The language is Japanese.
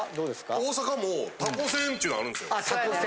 大阪もタコせんっちゅうのあるんですよ。